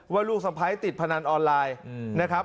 ลูกสะพ้ายติดพนันออนไลน์นะครับ